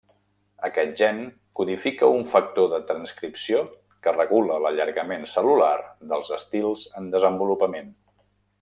Aquest gen codifica un factor de transcripció que regula l'allargament cel·lular dels estils en desenvolupament.